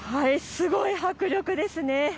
すごい迫力ですね。